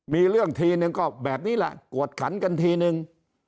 มีเรื่องทีนึงก็แบบนี้แหละกวดขันกันทีนึง